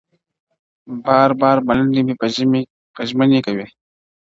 بار بار ملنډې مې په ژمنې کوي